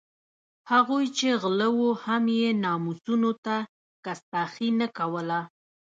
هغوی چې غله وو هم یې ناموسونو ته کستاخي نه کوله.